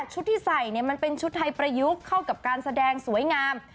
ที่ใส่เนี่ยมันเป็นชุดไทยประยุกต์เข้ากับการแสดงสวยงาม